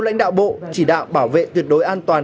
lãnh đạo bộ chỉ đạo bảo vệ tuyệt đối an toàn